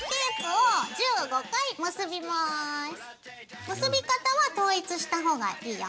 ではこっから結び方は統一した方がいいよ。